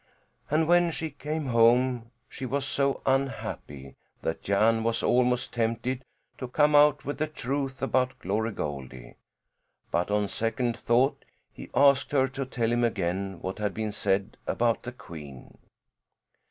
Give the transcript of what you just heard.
And when she came home she was so unhappy that Jan was almost tempted to come out with the truth about Glory Goldie; but on second thought, he asked her to tell him again what had been said about the queen.